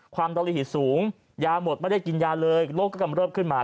ความตะลิหิดสูงยาหมดไม่ได้กินยาเลยโรคก็กำลังเริ่มขึ้นมา